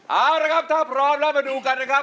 เอาละครับถ้าพร้อมแล้วมาดูกันนะครับ